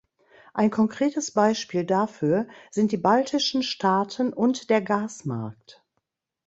Ein konkretes Beispiel dafür sind die baltischen Staaten und der Gasmarkt.